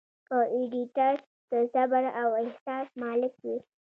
ښه ایډیټر د صبر او احساس مالک وي.